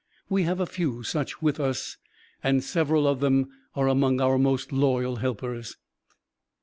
We have a few such with us and several of them are among our most loyal helpers.